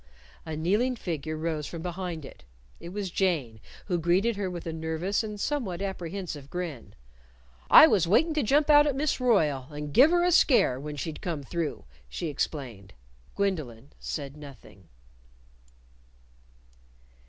A kneeling figure rose from behind it. It was Jane, who greeted her with a nervous, and somewhat apprehensive grin. "I was waitin' to jump out at Miss Royle and give her a scare when she'd come through," she explained. Gwendolyn said nothing.